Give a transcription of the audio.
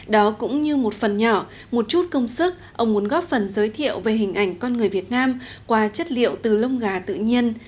đó cũng như một phần nhỏ một chút công sức ông muốn góp phần giới thiệu về hình ảnh con người việt nam qua chất liệu từ lông gà tự nhiên